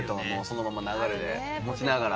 そのままの流れで持ちながら。